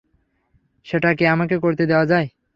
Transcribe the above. সেটা কি আমাকে করতে দেয়া যায়?